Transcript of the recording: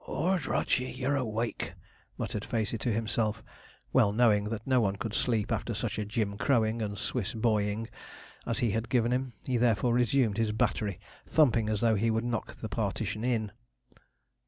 ''Ord rot ye! you're awake,' muttered Facey to himself, well knowing that no one could sleep after such a 'Jim Crow ing' and 'Swiss boy ing' as he had given him. He therefore resumed his battery, thumping as though he would knock the partition in.